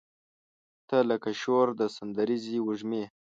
تۀ لکه شور د سندریزې وږمې